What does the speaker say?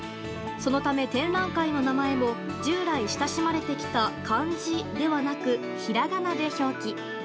そのため展覧会の名前も従来、親しまれてきた漢字ではなく平仮名で表記。